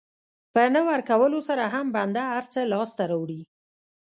په نه ورکولو سره هم بنده هر څه لاسته راوړي.